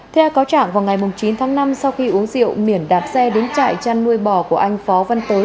theo cáo trạng vào ngày chín tháng năm sau khi uống rượu miển đạp xe đến trại chăn nuôi bò của anh phó văn tới